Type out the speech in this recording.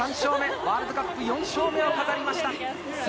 ワールドカップ４勝目を飾りました。